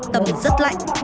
tâm ứng rất lạnh